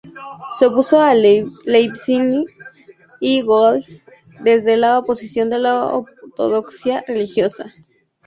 Se opuso a Leibniz y Wolff desde la posición de la ortodoxia religiosa.